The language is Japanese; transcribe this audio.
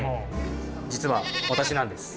実は私なんです。